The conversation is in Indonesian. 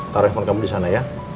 taruh handphone kamu disana ya